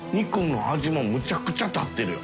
量むちゃくちゃ立ってるよ